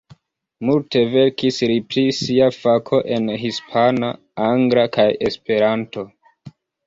Multe verkis li pri sia fako en hispana, angla kaj esperanto.